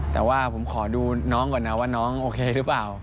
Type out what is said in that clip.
แต่ว่าผมขอดูน้องก่อนนะว่าน้องโอเคหรือเปล่า